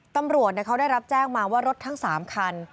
ตำรวจเขาได้รับแจ้งมาว่ารถทั้ง๓คัน